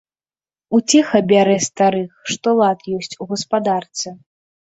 Уцеха бярэ старых, што лад ёсць у гаспадарцы.